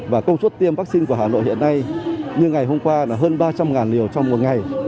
và công suất tiêm vaccine của hà nội hiện nay như ngày hôm qua là hơn ba trăm linh liều trong một ngày